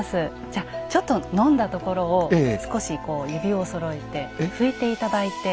じゃちょっと飲んだところを少しこう指をそろえて拭いて頂いて。